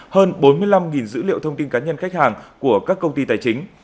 hơn bốn mươi năm dữ liệu thông tin cá nhân khách hàng của các công ty tài chính